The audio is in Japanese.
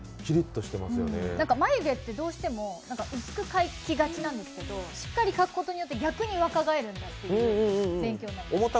眉毛ってどうしても薄く描きがちなんですけど、しっかり描くことによって逆に若返るというのが勉強になりました。